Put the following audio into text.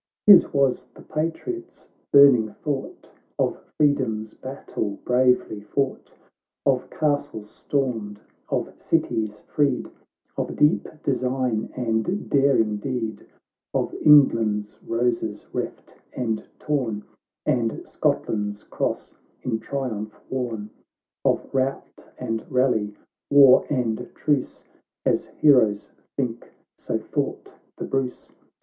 His was the patriot's burning thought, Of Freedom's battle bravely fought, Of castles stormed, of cities freed, Of deep design and daring deed, Of England's roses reft and torn, And Scotland's cross in triumph worn, Of rout and rally, war and trucer— As heroes think, so thought the Bruce.